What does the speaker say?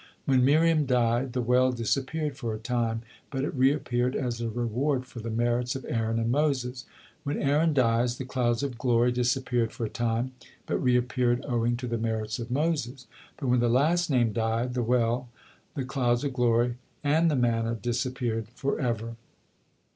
When Miriam died, the well disappeared for a time, but it reappeared as a reward for the merits of Aaron and Moses; when Aaron dies, the clouds of glory disappeared for a time, but reappeared owing to the merits of Moses. But when the last named died, the well, the clouds of glory, and the manna disappeared forever.